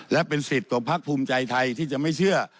และเป็นสิทธิ์ของพักภูมิใจไทยที่จะไม่เชื่อ